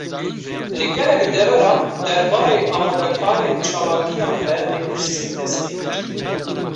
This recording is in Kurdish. Li gelek deveran, derbarê amadekarên çalakiyan de lêpirsîn dest pê kir